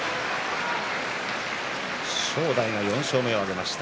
正代が４勝目を挙げました。